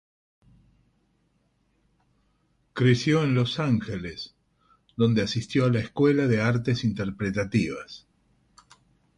Creció en Los Ángeles, donde asistió a la Escuela de Artes Interpretativas.